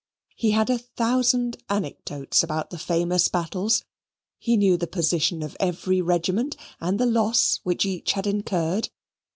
He had a thousand anecdotes about the famous battles; he knew the position of every regiment and the loss which each had incurred.